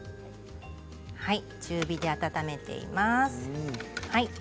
中火で温めています。